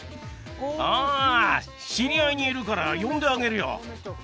あ知り合いにいるから呼んであげるよ